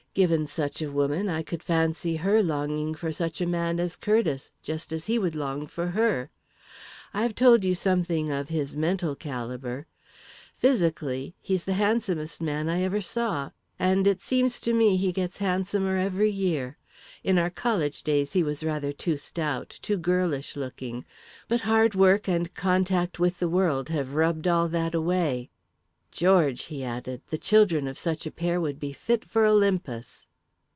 Given such a woman, I could fancy her longing for such a man as Curtiss, just as he would long for her. I've told you something of his mental calibre physically, he's the handsomest man I ever saw. And it seems to me he gets handsomer every year. In our college days, he was rather too stout, too girlish looking, but hard work and contact with the world have rubbed all that away. George!" he added, "the children of such a pair would be fit for Olympus!"